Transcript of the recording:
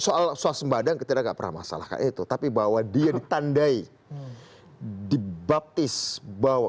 soal sembadang ketika nggak pernah masalah kayak gitu tapi bahwa dia ditandai dibaptis bahwa